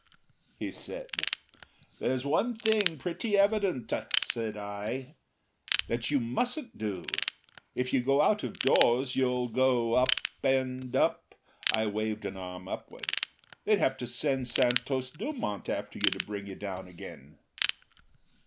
he said. "There's one thing pretty evident," I said, "that you mustn't do. If you go out of doors, you'll go up and up." I waved an arm upward. "They'd have to send Santos Dumont after you to bring you down again."